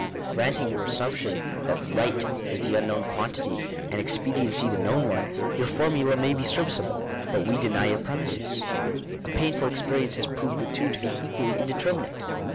Granting your assumption that right is the unknown quantity and expediency the known one, your formula may be serviceable. But we deny your premises; a painful experience has proved ihe two to be equally indeterminate.